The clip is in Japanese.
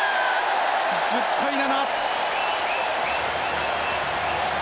１０対７。